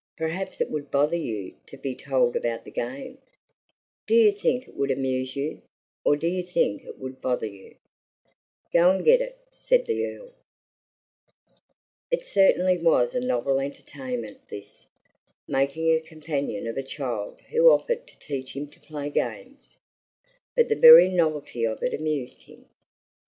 "Perhaps it would bother you to be told about the game. Do you think it would amuse you, or do you think it would bother you?" "Go and get it," said the Earl. It certainly was a novel entertainment this, making a companion of a child who offered to teach him to play games, but the very novelty of it amused him.